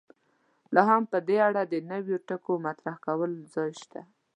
لا هم په دې اړه د نویو ټکو مطرح کولو ځای شته.